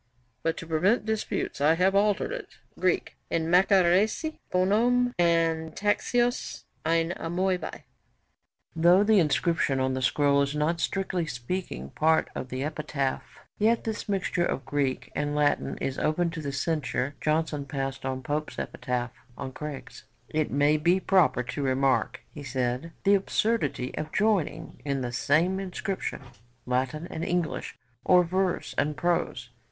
But to prevent disputes I have altered it. "[Greek: En makaressi ponon antaxios ein amoibae]." Johnstone's Life of Parr, iv. 713. Though the inscription on the scroll is not strictly speaking part of the epitaph, yet this mixture of Greek and Latin is open to the censure Johnson passed on Pope's Epitaph on Craggs. 'It may be proper to remark,' he said, 'the absurdity of joining in the same inscription Latin and English, or verse and prose.